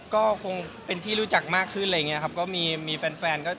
ก็คงคงเป็นที่รู้จักมากขึ้นเลยไงครับก็มีมีแฟนแฟนแต่